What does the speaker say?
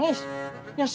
gue ada nyaris